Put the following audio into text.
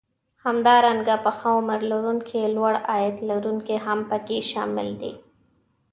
همدارنګه پخه عمر لرونکي لوړ عاید لرونکي هم پکې شامل دي